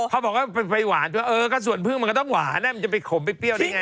พอบอกว่าไปหวานเออก็สวนพึ่งมันก็ต้องหวานมันจะไปขมไปเปรี้ยวได้ไง